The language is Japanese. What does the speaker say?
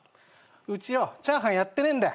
うちよチャーハンやってねえんだ。